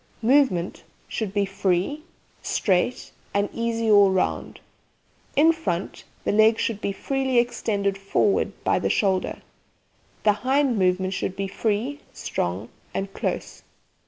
MOVEMENT Should be free, straight, and easy all round. In front, the leg should be freely extended forward by the shoulder. The hind movement should be free, strong, and close.